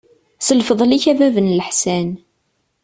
S lfeḍl-ik a bab n leḥsan.